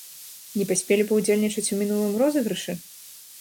Не паспелі паўдзельнічаць у мінулым розыгрышы?